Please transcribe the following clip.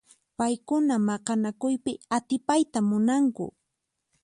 Paykuna maqanakuypi atipayta munanku.